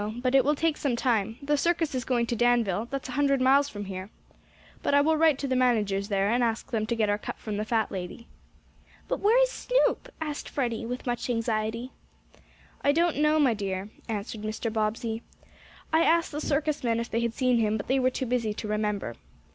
But it will take some time. The circus is going to Danville that's a hundred miles from here. But I will write to the managers there, and ask them to get our cup from the fat lady." "But where is Snoop?" asked Freddie, with much anxiety. "I don't know, my dear," answered Mr. Bobbsey. "I asked the circus men if they had seen him, but they were too busy to remember.